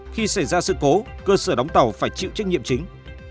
khi xảy ra sự cố cơ sở đóng tàu phải chịu trách nhiệm chính